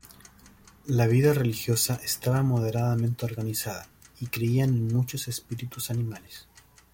La vida religiosa estaba moderadamente organizada, y creían en muchos espíritus animales.